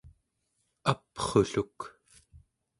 aprulluk